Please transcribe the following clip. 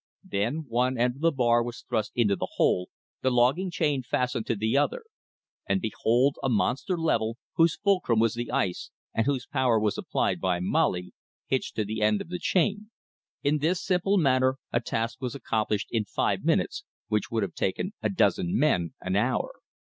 Then one end of the bar was thrust into the hole, the logging chain fastened to the other; and, behold, a monster lever, whose fulcrum was the ice and whose power was applied by Molly, hitched to the end of the chain. In this simple manner a task was accomplished in five minutes which would have taken a dozen men an hour.